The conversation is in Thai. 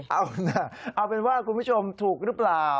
เอานะเอาเป็นว่าคุณผู้ชมถูกหรือเปล่า